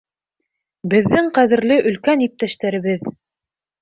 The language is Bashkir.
— Беҙҙең ҡәҙерле өлкән иптәштәребеҙ!